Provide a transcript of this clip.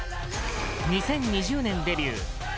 ２０２０年デビュー